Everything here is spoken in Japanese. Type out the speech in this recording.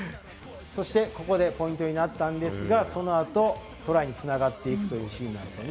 そして、ここでポイントになったんですが、その後、トライに繋がっていくというシーンです。